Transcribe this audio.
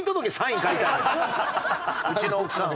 うちの奥さんは。